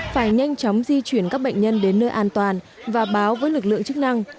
phải nhanh chóng di chuyển các bệnh nhân đến nơi an toàn và báo với lực lượng chức năng